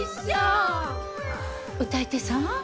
歌い手さん？